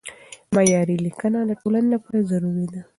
معیاري لیکنه د ټولنې لپاره ضروري ده.